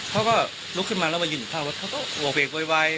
เขาก็ลุกขึ้นมาแล้วมายืนทางเขาก็โหว่เบรกวัยวาย